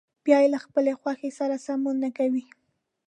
یا يې له خپلې خوښې سره سمون نه کوي.